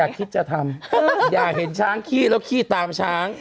คิดจะทำอย่าเห็นช้างขี้แล้วขี้ตามช้าง